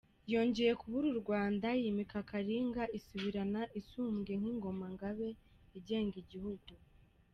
Yongeye kubura u Rwanda, yimika Kalinga isubirana isumbwe nk’ingoma Ngabe igenga igihugu.